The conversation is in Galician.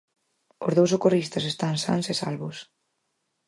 Os dous socorristas están sans e salvos.